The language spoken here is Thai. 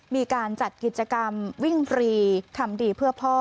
มีการจัดกิจกรรมวิ่งฟรีทำดีเพื่อพ่อ